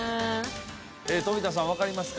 富田さんわかりますか？